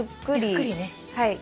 ゆっくりね。